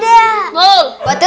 tapi untuk tidur betul tidak